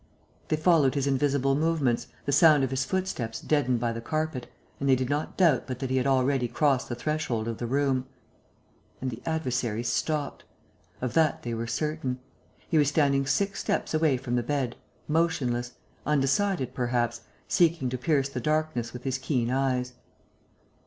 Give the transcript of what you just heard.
They followed his invisible movements, the sound of his footsteps deadened by the carpet; and they did not doubt but that he had already crossed the threshold of the room. And the adversary stopped. Of that they were certain. He was standing six steps away from the bed, motionless, undecided perhaps, seeking to pierce the darkness with his keen eyes.